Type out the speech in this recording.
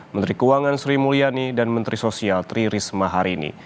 menteri keuangan sri mulyani dan menteri sosial tri risma hari ini